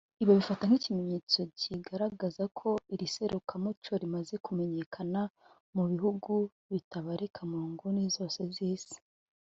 Ibi abifata nk’ikimenyetso kigaragaza ko iri serukiramuco rimaze kumenyekana mu bihugu bitabarika mu nguni zose z’Isi